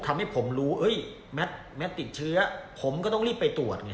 ทำให้ผมรู้เอ้ยแมทแมทติดเชื้อผมก็ต้องรีบไปตรวจอย่าง